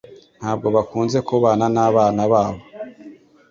Ntabwo bakunze kubana nabana babo.